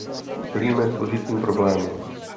Čelíme složitým problémům.